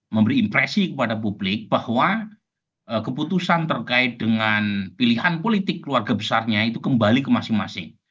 memberi impresi kepada publik bahwa keputusan terkait dengan pilihan politik keluarga besarnya itu kembali ke masing masing